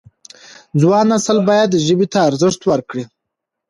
ځوان نسل باید ژبې ته ارزښت ورکړي.